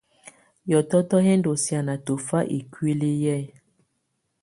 Hiɔtɔtɔ hɛ̀ ndù siana tɔfa ikuili yɛ.